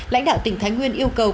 lãnh đạo tỉnh thái nguyên yêu cầu